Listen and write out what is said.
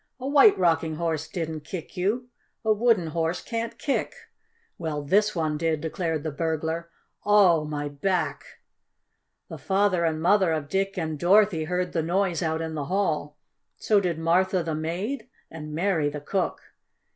"A White Rocking Horse didn't kick you! A wooden horse can't kick!" "Well, this one did," declared the burglar. "Oh, my back!" The father and mother of Dick and Dorothy heard the noise out in the hall. So did Martha, the maid, and Mary, the cook.